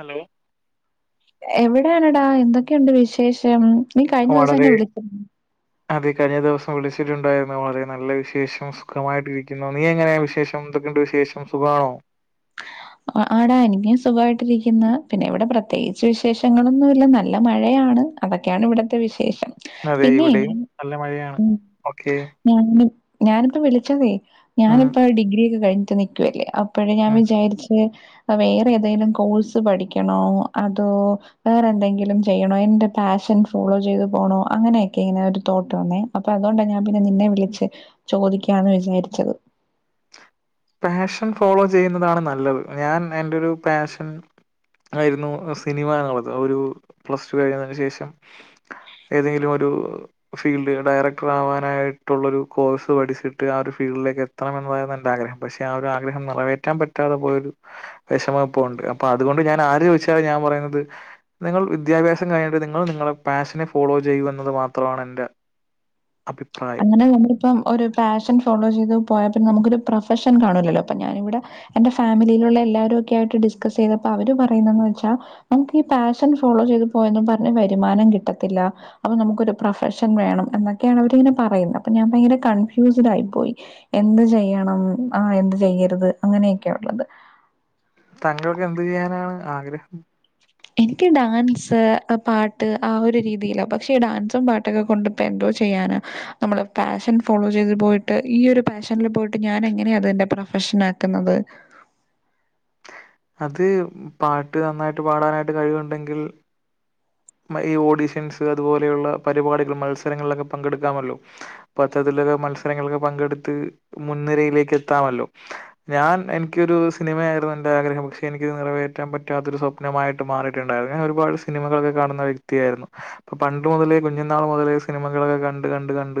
Hello എവിടെയാണെടാ എന്തൊക്കെയുണ്ട് വിശേഷം നീ കഴിഞ്ഞ ദിവസം വളരെ എന്നെ വിളിച്ച അതെ കഴിഞ്ഞ ദിവസം വിളിച്ചിട്ടുണ്ടായിരുന്നു. വളരെ നല്ല വിശേഷം സുഖമായിട്ടിരിക്കുന്നു. നീ എങ്ങനെയാ വിശേഷം എന്തൊക്കെണ്ട് വിശേഷം സുഖമാണോ? ആട അനം സുഖമായിട്ടിരിക്കുന്ന പിന്നെ ഇവിടെ പ്രത്യേകിച്ച് വിശേഷങ്ങളൊന്നും ഇല്ല നല്ല മഴയാണ് അതൊക്കെയാണ് ഇവിടത്തെ വിശേഷം അതെ പിന്നെ ഇവിടെയും നല്ല മഴയാണ് ഉം ഓക്കെ ഞങ്ങ ഞാനിപ്പ വിളിച്ചതേ ഉം ഞാനിപ്പോ ഡിഗ്രിക്കെ കഴിഞ്ഞിട്ട് നിക്കുവല്ലേ അ ഇപ്പോഴ ഞാൻ ഉം വിചാരിച്ചു വേറെ ഏതെങ്കിലും കോഴ്സ് പഠിക്കണോ അതോ വേറെ എന്തെങ്കിലും ചെയ്യണോ എന്റെ പാഷൻ ഫോളോ ചെയ്ത് പോണോ അങ്ങനെയൊക്കെ ഇങ്ങനെ ഒരു തോട്ട് വന്നേ അപ്പൊ അതുകൊണ്ട് ഞാൻ പിന്നെ നിന്നെ വിളച്ച് ചോദിക്കാന്ന് വിചാരിച്ചത് പാഷൻ ഫോളോ ചെയ്യുന്നതാണ് നല്ലത് ഞാൻ എന്റെ ഒരു പാഷൻ ആയിരുന്നു സിനിമ എന്നുള്ളത് ഒരു പ്ലസ് ടു കഴിതിന് ശേഷം ഏതെങ്കിലും ഒരു ഫീൽഡ് ഡയറക്ടർ ആവാനായിട്ടുള്ളൊ ഒരു കോഴ്സ് പഠിച്ചിട്ട് ആ ഒരു ഫീൽഡിലേക്ക് എത്തണെന്നതായിരുന്നു എന്റെറെ ആഗ്രഹം പക്ഷെ ആ ഒരു ആഗ്രഹം നിറവേറ്റാൻ പറ്റാതെ പോയൊരു വിഷമം ഇപ്പ ഉണ്ട് അപ്പൊ അതുകൊണ്ട് ഞാൻ ആര് ചോദിച്ചാൽ ഞാൻ പറയുന്നത് നിങ്ങൾ വിദ്യാഭ്യാസം കഴിഞ്ഞിട്ട് നിങ്ങൾ നിങ്ങളുടെ പാഷനെ ഫോളോ ചെയ്യും എന്നത് മാത്രമാണ് എൻ്റെ അങ്ങനെ ഞമ്മളിപ്പം ഒരു പാഷൻ ഫോളോ ചെയ്തു പോയാ നമുക്കൊരു പ്രൊഫഷൻ കാണൂല്ലോ അപ്പൊ ഞാനിവിടെ എന്റെ ഫാമിലിയിലുള്ള എല്ലാവാരും ഒക്കെ ആയിട്ട് ഡിസ്കസ് ചെയ്തപ്പോ അവര് പറയുന്നന്ന് വെച്ചാൽ നമുക്ക് ഈ പാഷൻ ഫോളോ ചെയ്ത് പോയും പറഞ്ഞഞ് വരുമാനം കിട്ടത്തില്ല അപ്പൊ നമുക്കൊരു പ്രൊഫഷൻ വേണം എന്നൊക്കെയാണ് അവരിങ്ങനെ പറയുന്ന അപ്പൊ ഞാൻ ഭയങ്കര കൺഫ്യൂസ്ഡ് ആയി പോയി. എന്ത് ചെയ്യണം ആ എന്ത് ചെയ്യരുത് അങ്ങനെയൊക്കെയ ഉള്ളത്. താങ്കൾക്ക് എന്ത് ചെയ്യാനാണ് ആഗ്രഹം എനിക്ക് ഡാൻസ് പാട്ട് ആ ഒരു രീതിയില പക്ഷെ ഈ ഡാൻസും പാട്ടൊക്കെ കൊണ്ട് ഇപ്പോ എന്തോ ചെയ്യാനാ നമ്മള് പാഷൻ ഫോളോ ചെയ്ത് പോയിട്ട് ഈ ഒരു പാഷനിൽ പോയിട്ട് ഞാൻ എങ്ങനെയാണ് അത് എന്റെ പ്രൊഫഷൻ ആക്കുന്നത് അത് പാട്ട് നന്നായിട്ട് പാടാനായിട്ട് കഴിവുണ്ടെങ്കിൽ ഈ ഓഡീഷൻസ് അതുപോലെയുള്ള പരിപാടികൾ മത്സരങ്ങളിലൊക്കെ പങ്കെടുക്കാമല്ലോ അത്തരത്തിലുള്ള മത്സരങ്ങളൊക്കെ പങ്കെടുത്ത് മുൻനിരയിലേക്ക് എത്താമല്ലോ. ഞാൻ എനിക്കൊരു സിനിമയായിരുന്നു എന്റെ ആഗ്രഹം. പക്ഷെ എനിക്ക്ത് നിറവേറ്റാൻ പറ്റാത്തൊരു സ്വപ്നമായിട്ട് മാറിയിട്ടുണ്ടായിരുന്നു. ഞാൻ ഒരുപാട് സിനിമകള കാണുന്ന വ്യക്തിയായിരുന്നു അപ്പൊ പണ്ട് മുതലേ കുഞ്ഞനാൾ മുതലേ സിനിമകളൊക്കെ കണ്ട് കണ്ട് കണ്ട്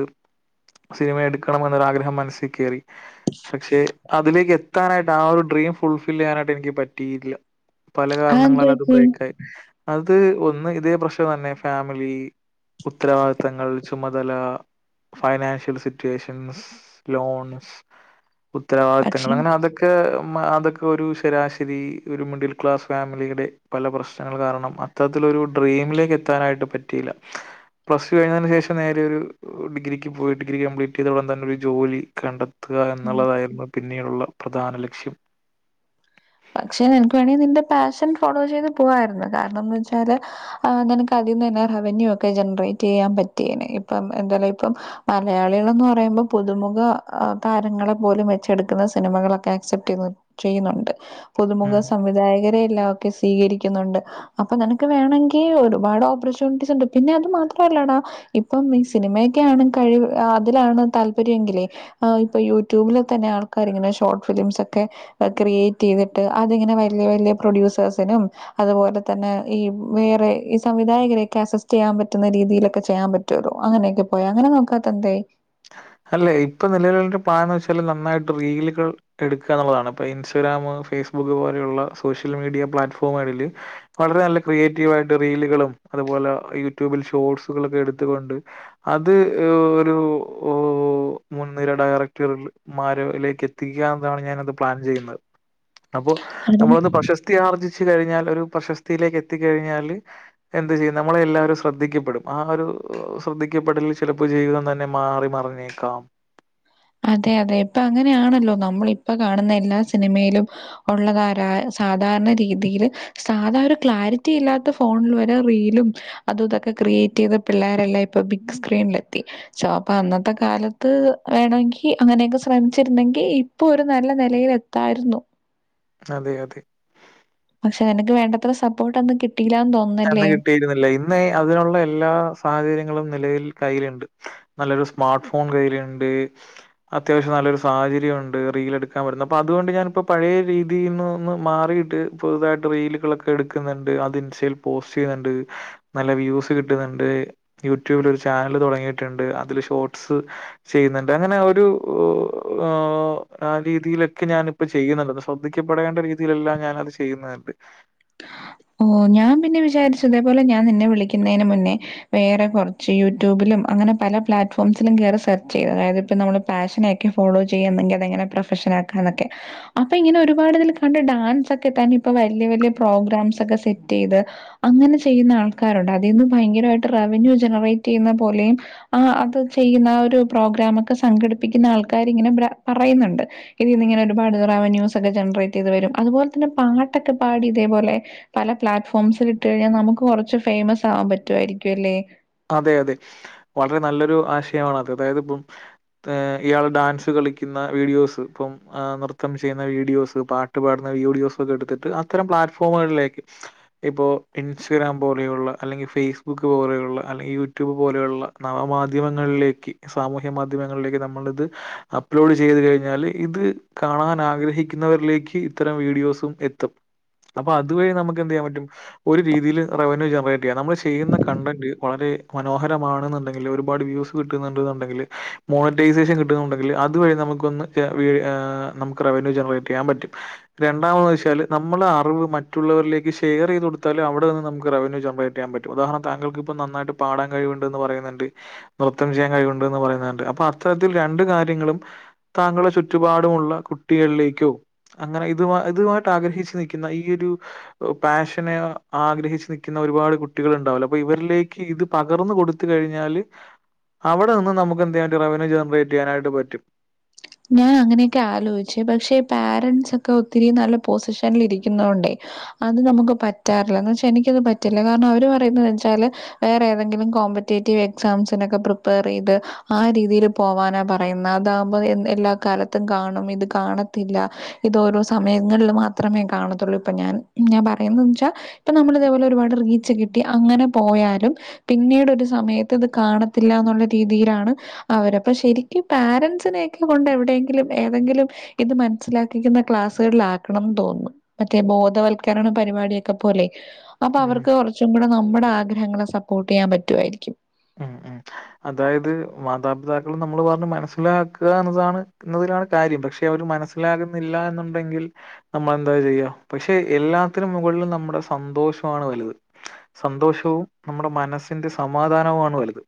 സിനിമ എടുക്കണം എന്നൊരാഗ്രഹം മനസ്സിൽ കയറി പക്ഷെ അതിലേക്ക് എത്താനായിട്ട് ആ ഒരു ഡ്രീം ഫുൾഫിൽ ചെയ്യാനായിട്ട് എനിക്ക് പറ്റിയില്ല പല അതെന്ത് കാരണങ്ങളാല അത് പറ്റി? ബ്രേക്ക് ആയി അത് അത് ഒ ന്ന് ഇതേ പ്രശ്നം തന്നെ ഫാമിലി ഉത്തരവാദിത്തങ്ങൾ ചുമതല ഫൈനാൻഷ്യൽ സിറ്റുവേഷൻസ് ലോൺസ് ഉത്തരവാദിത്തങ്ങൾ പക്ഷേ അങ്ങനെ അതൊക്കെ മ അതൊക്കെ ഒരു ശരാശരി ഒരു മിഡിൽ ക്ലാസ് ഫാമിലിയുടെ പല പ്രശ്നങ്ങൾ കാരണം അത്ത തിലോരു ഡ്രീമിലേക്ക് എത്താനായിട്ട് പറ്റിയില്ല പ്ലസ് ടു കഴിഞ്ഞതിന് ശേഷം നേരെ ഒരു ഡിഗ്രിക്ക് പോയി ഡിഗ്രി കംപ്ലീറ്റ് ചെയ്ത ഉടം തന്നെ ഒരു ജോലി കണ്ടെത്തി ത്തുക ആ എന്നുള്ളതായിരുന്നു പിന്നീടുള്ള പ്രധാന ലക്ഷ്യം പക്ഷെ നിനക്ക് വേണെങ്കിൽ നിന്റെ പാഷൻ ഫോളോ ചെയ്ത് പോ ആയ്രുന്നു കാരണംന്ന് വെച്ചാല് നിനക്ക് അദ്യം തന്നെ റവന്യൂ ഒക്കെ ജനറേറ്റ് യ്യാൻ പറ്റിയേനെ ഇപ്പം എന്താല ഇപ്പം മലയാളികൾ ന്ന് പറയുമ്പോ പുതുമുഖ താരങ്ങളെപ്പോലും വെച്ചെടുക്കുന്ന സിനിമകളൊക്കെ അക്സെപ്റ്റ് ചെയ ചെയ്യുന്നുണ്ട് പുതുമുഖ ഉം. സംവിധായകരെയെല്ലാം സ്വീകരിക്കുന്നുണ്ട് അപ്പൊ നിനക്ക് വേണമെങ്കിൽ ഒരുപാട് ഓപ്പർച്യൂണിറ്റീസ് ഉണ്ട് പിന്നെ അത് മാത്രല്ലടാ ഇപ്പം ഈ സിനിമയൊക്കെ ആണ് കഴിവ് അതിലാണ് താല്പര്യമെങ്കിലേ ഇപ്പൊ യൂട്യൂബിൽ തന്നെ ആൾക്കാർ ഇങ്ങനെ ഷോർട്ട് ഫിലിംസ് ഒക്കെ ക്രിയേറ്റ് ചെയ്തി ് അതിങ്ങനെ വല്ല്യവല്ല്യപ്രൊഡ്യൂസേഴസിനും അതുപോലെ തന്നെ ഈ വേറെ ഈ സംവിധായകരെക്കെ അസസ്റ്റ് ചെയ്യാൻ പറ്റുന്ന രീതിയിലൊക്കെ ചെയ്യാൻ പറ്റൊള്ളു അങ്ങനെയൊക്കെ പോയ അങ്ങനെ നോക്കാത്ത എന്തെ അല്ലെ ഇപ്പൊ നിലവിലിന്റെ പ്ലാൻന്ന് വെച്ചാല് നന്നായിട്ട് റീലുകൾ എടുക്ക എന്നുള്ളതാണ് ഇപ്പൊ ഇൻസ്റ്റാഗ്രാമ് ഫേസ്ബുക്ക് പോലെയുള്ള സോഷ്യൽ മീഡിയ പ്ലാറ്റ്ഫോമുകളില് വളരെ നല്ല ക്രിയേറ്റീവ് ആയിട്ട് റീലുകളും അതുപോലെ യൂട്യൂബിൽ ഷോർട്സുകളൊക്കെ എടുത്തുകൊണ്ട് അത് ഒരു ഓ മുൻനിര ഡയറക്ടറിമാരിലേക്ക് എത്തിക്കാന്നതാണ് ഞാനത് പ്ലാൻ ചെയ്യുന്നത് അപ്പൊ അതും നമ്മളൊന്ന് പ്രശസ്തി ആർജി ശ് കഴിഞ്ഞാൽ ഒരു പ്രശസ്തിയിലേക്ക് എത്തിക്കഴിഞ്ഞാൽ എന്ത് ചെയ്യും നമ്മളെ എല്ലാവരും ശ്രദ്ധിക്കപ്പെടും ആ ഒരു ശ്രദ്ധിക്കപ്പെടൽ ചിലപ്പോ ജീവിതം തന്നെ മാറി മറിഞ്ഞേക്കാം അതെ അതെ ഇപ്പ അങ്ങനെയാണല്ലോ നമ്മൾ ഇപ്പൊ കാണുന്ന എല്ലാ സിനിമയിലും ഒള്ള കാരാ സാധാരണ രീതിയിയില് സാധാ ഒരു ക്ലാരിറ്റി ഇല്ലാത്ത ഫോണിൽ വരെ റീലും അതു ഇതൊക്കെ ക്രിയേറ്റ് ചെയ്ത പിള്ളേരെല്ലാം ഇപ്പൊ ബിഗ് സ്ക്രീനിലെത്തി സോ അപ്പൊ അന്നത്തെ കാലത്ത് വേണങ്കി അങ്ങനെയൊക്കെ ശ്രമിച്ചിരുന്നെങ്കിൽ ഇപ്പൊ ഒരു നല്ല നെലയിൽ എത്തായിരുന്നു അതെ അതെ പക്ഷെ നിനക്ക് വേണ്ടത്ര സപ്പോർട്ട് ഒന്നും കിട്ടി അന്ന്ന്ന് കിട്ടിയിരുന്നില്ല ഇന്ന് അതിനുള്ള എല്ലാ സാഹചര്യങ്ങളും നിലവിൽ കയ്യിലുണ്ട് നല്ലൊരു സ്മാർട്ട് ഫോൺ കയ്യിലുണ്ട് അത്യാവശ്യം നല്ലൊരു സാഹചര്യം ഉണ്ട് റീൽ എടുക്കാൻ പറ്റുന്നത് അപ്പൊ അതുകൊണ്ട് ഞാനിപ്പോ പഴയ രീതിയിന്ന് മാറിട്ട് പുതുതായിട്ട് റീലുകളൊക്കെ എടുക്കുന്നുണ്ട് അത് ഇൻസ്‌ പോസ്റ്റ് ചെയ്യുന്നുണ്ട് നല്ല വ്യൂസ് കിട്ടുന്നുണ്ട് യൂട്യൂബിൽ ഒരു ചാനല് തുടങ്ങിയിട്ടുണ്ട് അതില് ഷോർട്ട്സ് ചെയ്യുന്നുണ്ട് അങ്ങനെ ഒരു ആ രീതിയിലൊക്കെ ഞൻ ഇപ്പ ചെയ്യുന്നുണ്ട് ശ്രദ്ധിക്കപ്പെടേണ്ട രീതിയിലെല്ലാം ഞാൻ അത് ചെയ്യുന്നുണ്ട് ഓ ഞാൻ പിന്നെ വിചാരിച്ചതേപോലെ ഞാൻ നിന്നെ വിളിക്കുന്നതിന് മുന്നേ വേറെ കുറച്ച് യൂട്യൂബിലും അങ്ങനെ പല പ്ലാറ്റ്ഫോംസിലും കയറി സെർച്ച് ചെയ്ത് അതായത് ഇപ്പ നമ്മള് പാഷനക്കെ ഫോളോ ചെയ്യെങ്കിൽ അതെങ്ങനെ പ്രൊഫഷൻ ആക്കാന്നക്കെ അപ്പൊ ഇങ്ങനെ ഒരുപാട് ഇതിൽ കണ്ട് ഡാൻസ് ഒക്കെ തന്നെ ഇപ്പൊ വലിയ വലിയ പ്രോഗ്രാം ഒക്കെ സെറ്റ് ചെയ്ത് അങ്ങനെ ചെയ്യുന്ന ആൾക്കാരുണ്ട് അതിൽന്ന് ഭയങ്കരമായിട്ട് റവന്യൂ ജനറേറ്റ് ചെയ്യുന്ന പോലെയും ആ അത് ചെയ്യുന്ന ആ ഒരു പ്രോഗ്രാമ ഒക്കെ സംഘടിപ്പിക്കുന്ന ആൾക്കാർ ഇങ്ങനെ പറയുന്നുണ്ട് ഇതിൽന്ന് ഇങ്ങനെ ഒരുപാട് റവന്യൂസ് ഒക്കെ ജനറേറ്റ് ചെയ്ത് വരും അതുപോലെ തന്നെ പാട്ടൊക്കെ പാടി ഇതേപോലെ പല പ്ലാറ്റ്ഫോംസിൽ ഇട്ട് കഴിഞ്ഞാൽ നമുക്ക് കുറച്ച് ഫേമസ് ആവാൻ പറ്റുമായിരിക്കും അല്ലെ അതെ അതെ വളരെ നല്ലൊരു ആശയമാണ് അത് അതായത് ഇപ്പം ഇയാൾ ഡാൻസ് കളിക്കുന്ന വീഡിയോസ് ഇപ്പം നൃത്തം ചെയ്യുന്ന വീഡിയോസ് പാട്ട് പാടുന്ന വീഡിയോസ് ഒക്കെ എടുത്തിട്ട് അത്തരം പ്ലാറ്റ്ഫോമുകളിലേക്ക് ഇപ്പോൾ ഇൻസ്റ്റഗ്രാം പോലെയുള്ള അല്ലെങ്കിൽ ഫേസ്ബുക്ക് പോലെയുള്ള അല്ലെങ്കിൽ യൂട്യൂബ് പോലെയുള്ള നവ മാധ്യമങ്ങളിലേക്ക് സാമൂഹ്യ മാധ്യമങ്ങളിലേക്ക് നമ്മളിത് അപ്ലോഡ് ചെയ്ത് കഴിഞ്ഞാല് ഇത് കാണാൻ ആഗ്രഹിക്കുന്നവരിലേക്ക് ഇത്തരം വീഡിയോസും എത്തും അപ്പം അതുവഴി നമുക്ക് എന്ത് ചെയ്യാൻ പറ്റും ഒരു രീതിൽ റവന്യൂ ജനറേറ്റ് ചെയ്യാം നമ്മൾ ചെയ്യുന്ന കണ്ടന്റ് വളരെ മനോഹരമാണെന്നുണ്ടെങ്കിൽ ഒരുപാട് വ്യൂസ് കിട്ടുന്നുണ്ടെന്നുണ്ടെങ്കിൽ മോണിറ്റൈസേഷൻ കിട്ടുന്നുണ്ടെങ്കിൽ അതുവഴി നമുക്കൊന്ന് നമുക്ക് റവന്യൂ ജനറേറ്റ് ചെയ്യാൻ പറ്റും രണ്ടാമെന്ന് വെച്ചാൽ നമ്മള അറിവ് മറ്റുള്ളവരിലേക്ക് ഷെയർ ചെയ്ത് കൊടുത്താലും അവിടെ ഒന്ന് നമുക്ക് റവന്യൂ ജനറേറ്റ് ചെയ്യാൻ പറ്റും ഉദാഹരണം താങ്കൾക്ക് ഇപ്പൊ നന്നായിട്ട് പാടാൻ കഴിവുണ്ട് എന്ന് പറയുന്നുണ്ട് നൃത്തം ചെയ്യാൻ കഴിവുണ്ട് എന്ന് പറയുന്നുണ്ട് അപ്പൊ അത്തരത്തിൽ രണ്ട് കാര്യങ്ങളും താങ്കളുടെ ചുറ്റുപാടുമുള്ള കുട്ടികളിലേക്കോ അങ്ങനെ ഇ ഇതുമായിട്ട് ആഗ്രഹിച്ചു നൽക്കുന്ന ഈ ഒരു പാഷനെ ആഗ്രഹിച്ച് നിൽക്കുന്ന ഒരുപാട് കുട്ടികൾ ഉണ്ടാവില്ല അപ്പൊ ഇവരിലേക്ക് ഇത് പകർന്ന് കൊടുത്ത് കഴിഞ്ഞാല് അവിടെ നിന്ന് നമുക്ക് എന്ത്‌ചെയ്യാൻ റവന്യൂ ജനറേറ്റ് ചെയ്യാനായിട്ട് പറ്റും ഞാൻ അങ്ങനെയൊക്കെ ആലോചിച്ചു പക്ഷെ പാരൻറ്സ് ഒക്കെ ഒത്തിരി നല്ല പൊസിഷനിൽ ഇരിക്കുന്നൊണ്ടേ അത് നമുക്ക് പറ്റാറില്ലന്ന് വച്ചാ എനിക്കത് പറ്റില്ല കാരണം അവര് പറയുന്ന വെച്ചാല് വേറെ ഏതെങ്കിലും കോമ്പറ്റേറ്റീവ് എക്സാംസിനൊക്കെ പ്രിപ്പയർ ചെയ്ത് ആ രീതിയിൽ പോവാനാ പറയുന്നത് അതാകുമ്പോ എല്ലാ കാലത്തും കാണും ഇത് കാണത്തില്ല ഇത് ഓരോ സമയങ്ങളിൽ മാത്രമേ കാണത്തുള്ളൂ ഇപ്പൊ ഞാൻ ഞാൻ പറയുന്ന വച്ചാൽ ഇപ്പൊ നമ്മള് ഇതേപോലെ ഒരുപാട് റീച്ച് കിട്ടി അങ്ങനെ പോയാലും പിന്നീട് ഒരു സമയത്ത് ഇത് കാണത്തില്ല എന്നുള്ള രീതിയിലാണ് അവരപ്പൊ ശരിക്കും പാരൻറ്സിനെ ണ്ട് എവിടെയെങ്കിലും ഏതെങ്കിലും ഇത് മനസ്സിലാക്കിക്കുന്ന ക്ലാസ്സുകളിൽ ആക്കണംന്ന് തോന്നുന്നു മറ്റേ ബോധവൽക്കരണ പരിപാടിയൊക്കെ പോലെ അപ്പൊ ഉം. അവർക്ക് കുറച്ചും കൂടെ നമ്മ നമ്മുടെ ആഗ്രഹങ്ങളെ സപ്പോർട്ട് ചെയ്യാൻ പറ്റുായിരിക്കും ഉം. ഉം. അതായത് മാതാപിതാക്കൾ നമ്മൾ പറഞ്ഞ് മനസ്സിലാക്കുക എന്നതിലാണ് എന്നതിലാണ് കാര്യം പക്ഷെ അവര് മനസ്സിലാകുന്നില്ല എന്നുണ്ടെങ്കിൽ നമ്മൾ എന്താ ചെയ്യുക പക്ഷെ എല്ലാത്തിനും മുകളിലും നമ്മുടെ സന്തോഷമാണ് വലുത് സന്തോഷവും നമ്മുടെ മനസ്സിന്റെ സമാധാനവും ആണ് വലുത്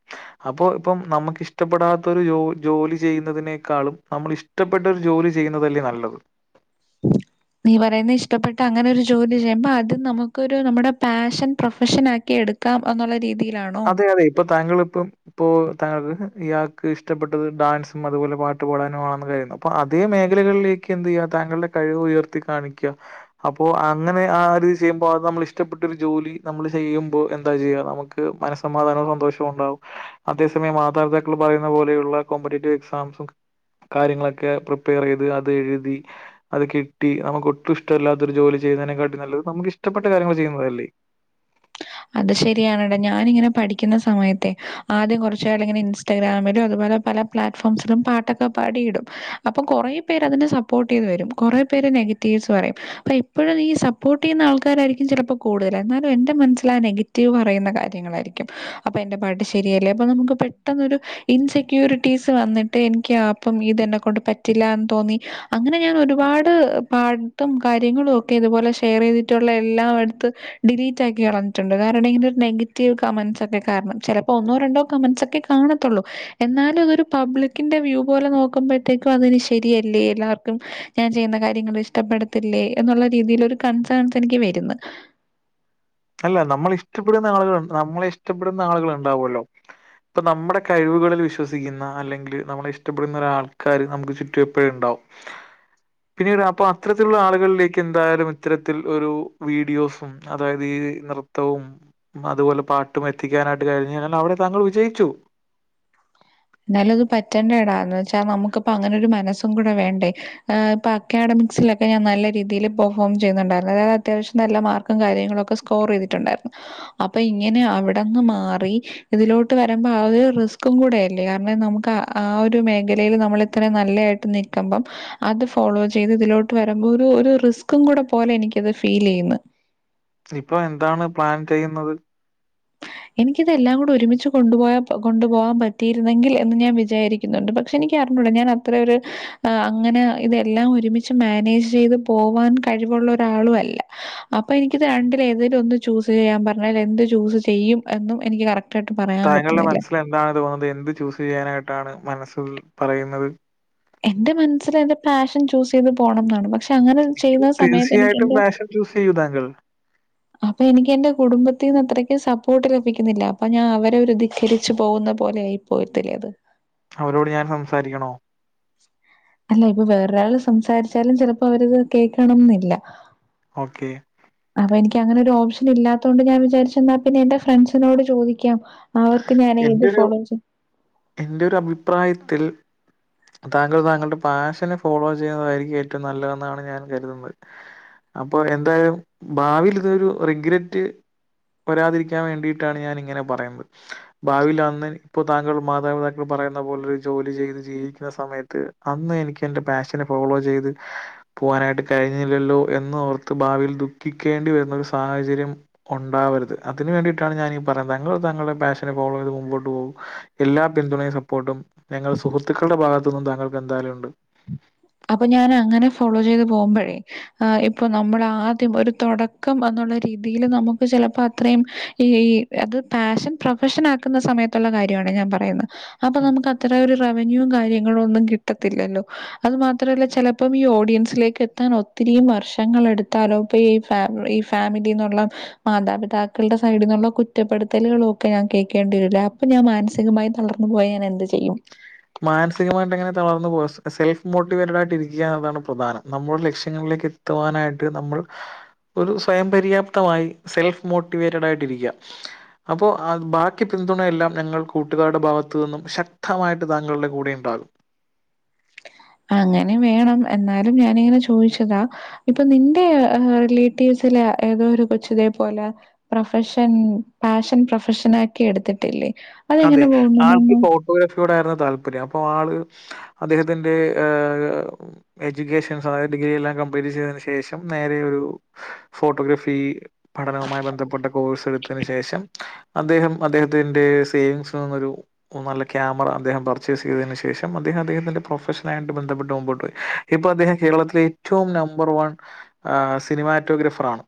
അപ്പൊ ഇപ്പം നമുക്ക് ഇഷ്ടപ്പെടാത്ത ഒരു ജോ ജോലി ചെയ്യുന്നതിനേക്കാളും നമ്മൾ ഇഷ്ടപ്പെട്ട ഒരു ജോലി ചെയ്യുന്നതല്ലേ നല്ലത് നീ പറയുന്ന ഇഷ്ടപ്പെട്ട അങ്ങനെ ഒരു ജോലി ചെയ്യുമ്പ അത് നമുക്കൊരു നമ്മുടെ പാഷൻ പ്രൊഫഷൻ ആക്കി എടുക്കാം എന്നുള്ള രീതിയിൽ അതെ അതെ ഇപ്പൊ താങ്കൾ ഇപ്പം ഇപ്പൊ താങ്കൾക്ക് ഇയാൾക്ക് ഇഷ്ടപ്പെട്ടത് ഡാൻസും അതുപോലെ പാട്ട് പാടാനും ആണെന്ന് കഴയുന്നത് അപ്പൊ അതേ മേഖലകളിലേക്ക് എന്ത് ചെയ്യുക താങ്കളുടെ കഴിവ് ഉയർത്തി കാണിക്കുക അപ്പൊ അങ്ങനെ ആരിതി ചെയ്യുമ്പോ അത് നമ്മൾ ഇഷ്ടപ്പെട്ടൊ ഒരു ജോലി നമ്മൾ ചെയ്യുമ്പോ എന്താ ചെയ്യ നമുക്ക് മനസ്സമാധാനവും സന്തോഷവും ഉണ്ടാവും അതേ സമയം മാതാപിതാക്കൾ പറയുന്ന പോലെയുള്ള കോമ്പറ്റേറ്റീവ് എക്സാംസും കാര്യങ്ങളൊക്കെ പ്രിപ്പയർ ചെയ്ത് അത് എഴുതി അത് കിട്ടി നമുക്ക് ഒട്ടും ഇഷ്ടമല്ലാത്തൊരു ജോലി ചെയ്യുന്നതിനെക്കാട്ടി നല്ലത് നമുക്ക് ഇഷ്ടപ്പെട്ട കാര്യങ്ങൾ ചെയ്യുന്നതല്ലേ അത് ശരിയാണടാ ഞാനിങ്ങനെ പഠിക്കുന്ന സമയത്തെ ആദ്യം കുറച്ച് കാലം ഇങ്ങനെ ഇൻസ്റ്റാഗ്രാമിലും അതുപോലെ പല പ്ലാറ്റ്ഫോംസിലും പാട്ടൊക്കെ പാടിയിടും അപ്പൊ കൊറേ പേര് അതിനെ സപ്പോർട്ട് ചെയ്ത് വരും കുറെേ പേര് നെഗറ്റീവ്സ് പറയും അപ്പ ഇപ്പോഴും ഈ സപ്പോർട്ട് ചെയ്യുന്ന ആൾക്കാരായിരിക്കും ചിലപ്പോ കൂടുതല് എന്നാലും എന്റെ മന നെഗറ്റീവ് പറയുന്ന കാര്യങ്ങളായിരിക്കും അപ്പൊ എന്റെ പാട്ട് ശരിയല്ലേ അപ്പൊ നമുക്ക് പെട്ടെന്നൊരു ഇൻസെക്യൂരിറ്റീസ് വന്നിട്ട് എനിക്ക് അപ്പം ഇത്എന്നെകൊണ്ട് പറ്റില്ലാന്ന് തോന്നി അങ്ങനെ ഞാൻ ഒരുപാട് പാട്ടും കാര്യങ്ങളും ഒക്കെ ഇതുപോലെ ഷെയർ ചെയ്തിട്ടുള്ള എല്ലാം എടുത്ത് ഡിലീറ്റ് ആക്കി കള ട്ടുണ്ട് കാരണം ഇത് ഒരു നെഗറ്റീവ് കമന്റ്സ് ഒക്കെ കാരണം ചെലപ്പോ ഒന്നോ രണ്ടോ കമന്റ്സ് ഒക്കെ കാണത്തുള്ളൂ എന്നാലും അതരു പബ്ലിക്കിന്റെ വ്യൂ പോലെ നോക്കുമ്പോഴത്തേക്കും അതിന് ശരിയല്ലേ എല്ലാവർക്കും ഞാൻ ചെയ്യുന്ന കാര്യങ്ങൾ ഇഷ്ടപ്പെടത്തില്ലേ എന്നുള്ള രീതിൽ ഒരു കൺസേൺസ് എനിക്ക് വരുന്ന് ഇല്ല നമ്മളെ ഇഷ്ടപ്പെടുന്ന ആളുകൾ നമ്മളെ ഇഷ്ടപ്പെടുന്ന ആളുകൾ ഉണ്ടാവോല്ലോ ഇപ്പൊ നമ്മുടെ കഴിവുകളിൽ വിശ്വസിക്കുന്ന അല്ലെങ്കിൽ നമ്മളെ ഇഷ്ടപ്പെടുന്ന ഒരാൾക്കാര് നമുക്ക് ചുറ്റും എപ്പോഴും ഉണ്ടാവും പിന്നീട് അപ്പൊ അത്തരത്തിലുള്ള ആളുകളിലേക്ക് എന്തായാലും ഇത്തരത്തിൽ ഒരു വീഡിയോസും അതായത് നൃത്തവും അതുപോലെ പാട്ടും എത്തിക്കാനായിട്ട് കഴിഞ്ഞാൽ കഴിഞ്ഞാൽ അവിടെ താങ്കൾ വിജയിച്ചു എന്നാലും അത് പറ്റേണ്ടേടാ എന്ന് വെച്ചാ നമുക്കിപ്പ അങ്ങനെ ഒരു മനസ്സും കൂടെ വേണ്ടേ ഇപ്പൊ അക്കാഡമിക്സിലൊക്കെ ഞാൻ നല്ല രീതിയിൽ പെർഫോം ചെയ്യുന്നുണ്ടായിരുന്നു അതായത് അത്യാവശ്യം നല്ല മാർക്കും കാര്യങ്ങളൊക്കെ സ്കോർ ചെയ്തിട്ടുണ്ടായിരുന്നു അപ്പൊ ഇങ്ങനെ അവിടെന്ന് മാറി ഇതിലോട്ട് വരുമ്പോ ആ ഒരു റിസ്കും കൂടെ ലെ കാരണം നമുക്ക് ആ ഒരു മേഖലയിൽ നമ്മൾ ഇത്ര നല്ലായിട്ട് നിക്കുമ്പം അത് ഫോളോ ചെയ്ത് ഇതിലോട്ട് വരുമ്പോ ഒരു ഒരു റിസ്കും കൂടെ പോലെ എനിക്കത് ഫീൽ ചെയ്യുന്നു. ഇപ്പൊ എന്താണ് പ്ലാൻ ചെയ്യുന്നത് എനിക്കിതെല്ലാം കൂടെ ഒരുമിച്ച് കൊണ്ടുപോയാ കൊണ്ടുപോകാൻ പറ്റിരുന്നെങ്കിൽ എന്ന് ഞാൻ വിചാരിക്കുന്നുണ്ട് പക്ഷെ എനിക്ക് അറിഞ്ഞൂട ഞാൻ അത്ര ഒരു അങ്ങനെ ഇതെല്ലാം ഒരുമിച്ച് മാനേജ് ചെയ്ത് പോവാൻ കഴിവുള്ള ഒരാളും അല്ല അപ്പൊ എനിക്കിത് രണ്ടിൽ ഏതേലും ഒന്ന് ചൂസ് ചെയ്യാൻ പറഞ്ഞാൽ എന്ത് ചൂസ് ചെയ്യും എന്നും എനിക്ക് കറക് താങ്കുടെ മനസ്സിൽ എന്താണ് തോന്നുന്നത് എന്ത് ചൂസ് ചെയ്യാനായിട്ടാണ് മനസ്സ് പറയുന്നത് എന്റെ മനസ്സിൽ എന്റെ പാഷൻ ചൂസ് ചെയ്ത് പോകണം എന്നാണ് പക്ഷെ പക്ഷെ അങ്ങനെ ചെയ്യുന്ന സമയത്ത് എനിക്ക് തീർച്ചയായിട്ടും എന്റെ പാഷൻ ചൂസ് ചെയ്യൂ താങ്കൾ. അപ്പൊ എനിക്ക് എന്റെ കുടുംബത്തിന്ന് അത്ര സപ്പോർട്ട് ലഭിക്കുന്നില്ല അപ്പൊ ഞാൻ അവരെ ധിക്കരിച്ചു പോകുന്ന പോലെ ആയി പോകത്തില്ലേ അത് അവരോട് ഞാൻ സംസാരിക്കണോ അല്ല ഇപ്പൊ വേറൊരാള് സംസാരിച്ചാലും ചിലപ്പോ അവരത് കേൾക്കണമെന്നില്ല ഓക്കെ അപ്പൊ എനിക്ക് അങ്ങനെ ഒരു ഓപ്ഷൻ ഇല്ലാത്തൊണ്ട് ഞാൻ വിചാരിച്ചെന്നാൽ പിന്നെ എന്റെ ഫ്രണ്ട്സിനോട് ചോദിക്കാം അവർക്ക് ഞാൻ ഏത് എന്റെ ഒരു ഫോളോ എന്റെ ഒരു അഭിപ്രായത്തിൽ താങ്കൾ താങ്കളുടെ പാഷനെ ഫോളോ ചെയ്യുന്നതായിരിക്കും ഏറ്റവും നല്ലതെന്നാണ് ഞാൻ കരുതുന്നത് അപ്പോ എന്തായാലും ഭാവിയിൽ ഇതൊരു റിഗ്രറ്റ് വരാതിരിക്കാൻ വേണ്ടിയിട്ടാണ് ഞാൻ ഇങ്ങനെ പറയുന്നത് ഭാവിൽ അന്ന് ഇപ്പോതാങ്കൾ മാതാപിതാക്കൾ പറയുന്ന പോലെരു ജോലി ചെയ്ത് ജീവിക്കുന്ന സമയത്ത് അന്ന് എനിക്ക് എന്റെ പാഷനെ ഫോളോ ചെയ്ത് പോവാനായിട്ട് കഴിഞ്ഞില്ലല്ലോ എന്ന് ഓർത്ത് ഭാവിയിൽ ദുഃഖിക്കേണ്ടി വരുന്ന ഒരു സാഹചര്യം ഒണ്ടാവരുത് അതിന് വേണ്ടിയിട്ടാണ് ഞാനീ പറയുന്നത് താങ്കൾ താങ്കളുടെ പാഷൻ ഫോളോ ചെയ്ത് മുമ്പോട്ട് പോകൂ എല്ലാ പിന്തുണയും സപ്പോർട്ടും ഞങൾ സുഹൃത്തുക്കളുടെ ഭാഗത്തു നിന്നും താങ്കൾക്ക് എന്തായാലും ഉണ്ട് അപ്പൊ ഞാൻ അങ്ങനെ ഫോളോ ചെയ്ത് പോകുമ്പോഴേ ഇപ്പൊ നമ്മൾ ആദ്യം ഒരു തുടക്കം എന്നുള്ള രീതിയിൽ നമുക്ക് ചിലപ്പോ അത്രയും ഈ ഈ അത് പാഷൻ പ്രൊഫഷൻ ആക്കുന്ന സമയത്തുള്ള കാര്യമാണ് ഞാൻ പറയുന്നത് അപ്പൊ ഉം. നമുക്ക് അത്ര ഒരു റവന്യൂ കാര്യങ്ങളും ഒന്നും കിട്ടത്തില്ലല്ലോ അത് മാത്രല്ല ചെലപ്പം ഈ ഓഡിയൻസിലേക്ക് എത്താൻ ഒത്തിരി വർഷങ്ങൾ എടുത്താലോ ഇപ്പ ഈ ഫാ ഈ ഫാമിലിന്നുള്ള മാതാപിതാക്കളുടെ സൈഡിൽന്നുള്ള കുറ്റപ്പെടുത്തലുകളും ഒക്കെ ഞാൻ കേൾക്കേണ്ടി വരില്ലേ അപ്പൊ ഞാൻ മാനസികമായി തളർന്നു പോയ ഞാൻ എന്ത് ചെയ്യും മാനസികമായിട്ട് എങ്ങനെ തളർന്നു പോക സെൽഫ് മോട്ടിവേറ്റഡ് ആയിട്ടിരിക്കുക എന്നതാണ് പ്രധാനം നമ്മുടെ ലക്ഷ്യങ്ങളിലേക്ക് എത്തുവാനായിട്ട് നമ്മൾ ഒരു സ്വയം പര്യാപ്തമായി സെൽഫ് മോട്ടിവേറ്റഡ് ആയിട്ട് ഇരിക്കുക അപ്പോ ബാക്കി പിന്തുണയെല്ലാം ഞങ്ങൾ കൂട്ടുകാരുടെ ഭാഗത്തു നിന്നും ശക്തമായി താങ്കളുടെ കൂടെ ഉണ്ടാകും. അങ്ങനെ വേണം എന്നാലും ഞാനിങ്ങനെ ചോദിച്ചതാ ഇപ്പൊ നിന്റെ റിലേറ്റീവ്സിലെ ഏതോ ഒരു കൊച്ചതേ പോലെ പ്രൊഫഷൻ പാഷൻ പ്രൊഫഷൻ ആക്കി എടുത്തിട്ടില്ലേ? അതെ അതെങ്ങനെ ആൾക്ക് പോകുന്നു? ഫോട്ടോഗ്രാഫിയോടായിരുന്നു താല്പര്യം അപ്പൊ ആള് അദ്ദേഹത്തിന്റെ എഡ്യൂക്കേഷൻസ് അതത് ഡിഗ്രി എല്ലാം കംപ്ലീറ്റ് ചെയ്തതിന് ശേഷം നേരെ ഒരു ഫോട്ടോഗ്രഫി പഠനവുമായി ബന്ധപ്പെട്ട കോഴ്സ് എടുത്തന് ശേഷം അദ്ദേഹം അദ്ദേഹത്തിന്റെ സേവിങ്സിൽ നിന്നൊരു നല്ല ക്യാമറ അദ്ദേഹം പർച്ചേസ് ചെയ്തതിനു ശേഷം അദ്ദേഹം അദ്ദേഹത്തിന്റെ പ്രൊഫഷനായിട്ട് ബന്ധപ്പെട്ട് മുമ്പോട്ട് പോയി ഇപ്പൊ അദ്ദേഹം കേരളത്തിലെ ഏറ്റവും നമ്പർ വൺ സിനിമാറ്റോഗ്രാഫർ ആണ്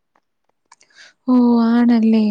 ഓ ആണല്ലേ